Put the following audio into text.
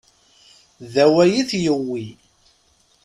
D awway i t-yewwi.